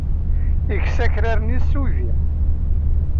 Ikess akraren-nnes s uydi.